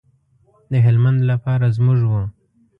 د هلمند لپاره زموږ و.